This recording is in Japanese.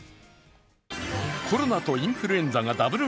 コロナとインフルエンザがダブル